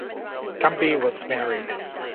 Cumby was married.